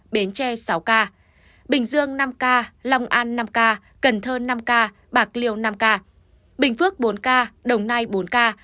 bến tre sáu ca bình dương năm ca long an năm ca cần thơ năm ca bạc liêu năm ca bình phước bốn ca đồng nai bốn ca